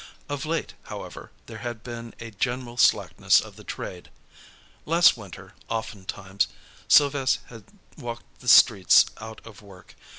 Of late, however, there had been a general slackness of the trade. Last winter oftentimes Sylves' had walked the streets out of work.